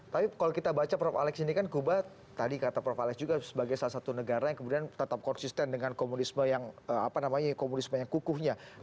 tapi kalau kita baca prof alex ini kan kuba tadi kata prof alex juga sebagai salah satu negara yang kemudian tetap konsisten dengan komunisme yang apa namanya komunisme yang kukuhnya